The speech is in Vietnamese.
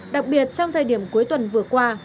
đặc biệt trong thời điểm cuối tuần vừa qua